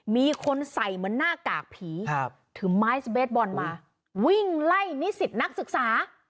มีคนใส่เหมือนหน้ากากผีถือไม้สเบสบอลมาวิ่งไล่นิสิตนักศึกษา